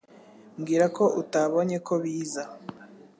Mbwira ko utabonye ko biza